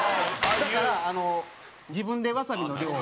だから、自分でわさびの量を。